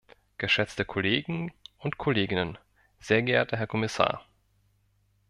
Geschätzte Kollegen und Kolleginnen, sehr geehrter Herr Kommissar!